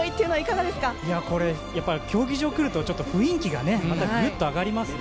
競技場に来ると雰囲気がぐっと上がりますね。